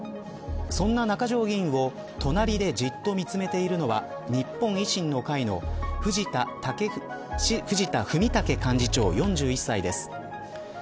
そんな中条議員を隣でじっと見つめているのは日本維新の会の藤田文武幹事長、４１歳です。